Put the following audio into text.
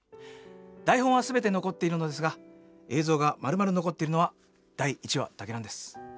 台本は全て残っているのですが映像がまるまる残っているのは第１話だけなんです。